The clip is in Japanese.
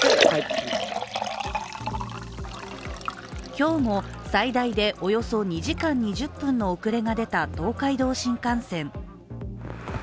今日も最大でおよそ２時間２０分の遅れが出た東海道新幹線。